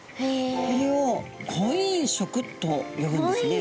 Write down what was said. これを婚姻色と呼ぶんですね。